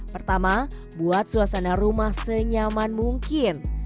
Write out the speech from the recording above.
pertama buat suasana rumah senyaman mungkin